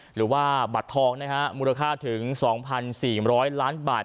หรือว่าบัตรทองนะฮะมูลค่าถึง๒๔๐๐ล้านบาท